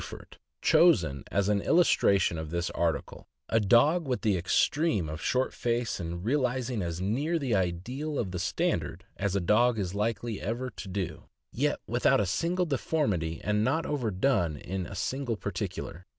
583 fort, chosen as an illustration of this article, a dog with the extreme of short face and realizing as near the ideal of the standard as a dog is likely ever to do, yet without a single deformity and not overdone in a single particular.